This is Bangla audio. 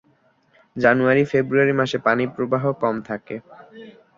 জানুয়ারি-ফেব্রুয়ারি মাসে পানিপ্রবাহ কম থাকে।